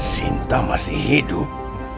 sinta masih hidup